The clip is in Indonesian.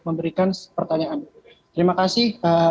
memberikan pertanyaan terima kasih